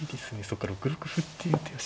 そうか６六歩っていう手が。